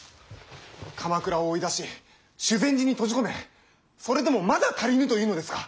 鎌倉を追い出し修善寺に閉じ込めそれでもまだ足りぬというのですか。